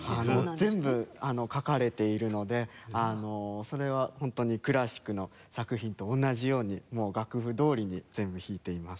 全部書かれているのでそれは本当にクラシックの作品と同じように楽譜どおりに全部弾いています。